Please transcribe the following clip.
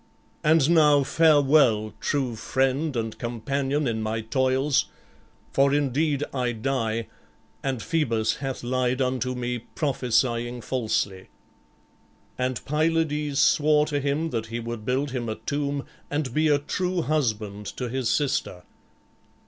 And now farewell, true friend and companion in my toils; for indeed I die, and Phœbus hath lied unto me, prophesying falsely." And Pylades swore to him that he would build him a tomb and be a true husband to his sister.